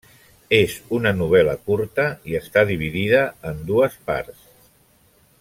És una novel·la curta i està dividida en dues parts.